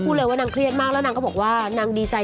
เลยว่านางเครียดมากแล้วนางก็บอกว่านางดีใจ